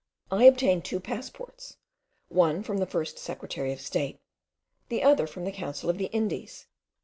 I obtained two passports, one from the first secretary of state, the other from the council of the Indies.